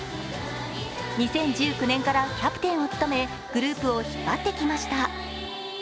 ２０１９年からキャプテンを務め、グループを引っ張ってきました。